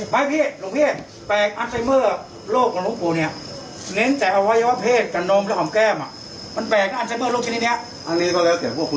ไม่พี่หลวงเพศแปลกอัลไซเมอร์โรคของหลวงปู่เนี้ย